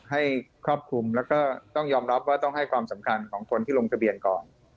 ครอบคลุมแล้วก็ต้องยอมรับว่าต้องให้ความสำคัญของคนที่ลงทะเบียนก่อน